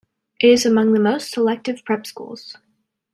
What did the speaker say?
It is among the most selective prep schools.